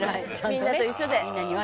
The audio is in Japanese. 「みんなと一緒で」